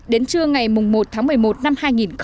đến trưa ngày một tháng một mươi một năm hai nghìn